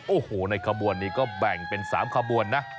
โอ้โหในขบวนนี้ก็แบ่งเป็น๓ขบวนนะ